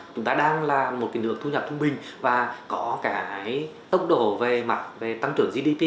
chúng ta đang là một lượng thu nhập thông bình và có tốc độ về mặt tăng trưởng gdp